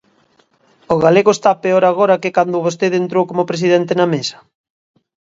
O galego está peor agora que cando vostede entrou como presidente n'A Mesa?